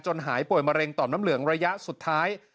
หายป่วยมะเร็งต่อมน้ำเหลืองระยะสุดท้าย